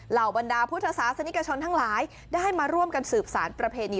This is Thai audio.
เหล่าบรรดาพุทธศาสนิกชนทั้งหลายได้มาร่วมกันสืบสารประเพณี